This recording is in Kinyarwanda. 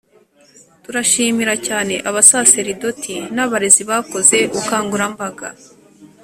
turashimira cyane abasaserdoti n’abarezi bakoze ubukangurambaga,